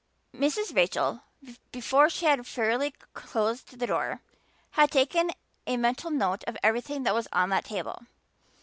Mrs. Rachel, before she had fairly closed the door, had taken a mental note of everything that was on that table.